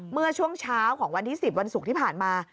เมื่อช่วงเช้าของวันที่๑๐วันศุกร์ที่ผ่านมา